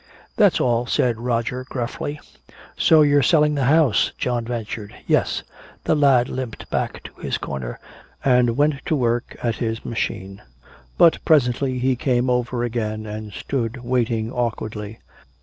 "That's all," said Roger gruffly. "So you're sellin' the house," John ventured. "Yes." The lad limped back to his corner and went to work at his machine. But presently he came over again and stood waiting awkwardly.